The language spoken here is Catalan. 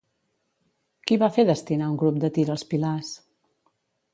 Qui va fer destinar un grup de Tir als pilars?